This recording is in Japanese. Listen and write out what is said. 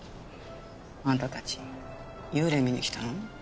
あんたたち幽霊見に来たの？